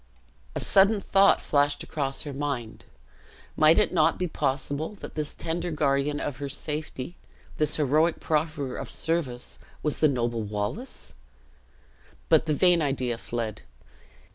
A sudden thought flashed across her mind; might it not be possible that this tender guardian of her safety, this heroic profferer of service, was the noble Wallace? But the vain idea fled.